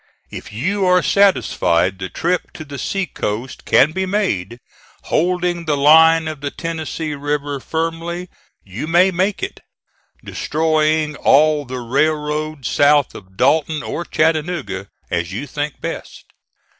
If you are satisfied the trip to the sea coast can be made, holding the line of the Tennessee River firmly, you may make it, destroying all the railroad south of Dalton or Chattanooga, as you think best.